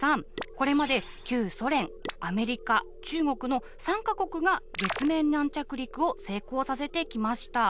これまで旧ソ連アメリカ中国の３か国が月面軟着陸を成功させてきました。